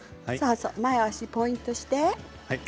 前の足はポイントにして。